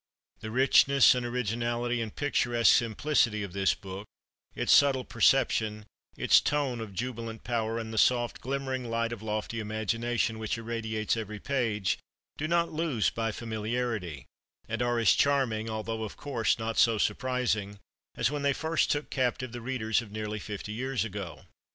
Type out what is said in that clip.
The richness and originality and picturesque simplicity of this book, its subtle perception, its tone of jubilant power, and the soft glimmering light of lofty imagination which irradiates every page, do not lose by familiarity, and are as charming, although of course not so surprising, as when they first took captive the readers of nearly fifty years ago.